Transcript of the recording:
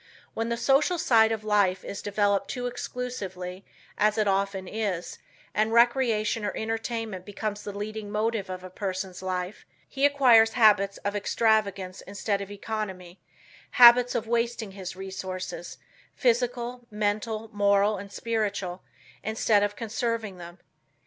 When the social side of life is developed too exclusively, as it often is, and recreation or entertainment becomes the leading motive of a person's life, he acquires habits of extravagance instead of economy; habits of wasting his resources, physical, mental, moral and spiritual, instead of conserving them.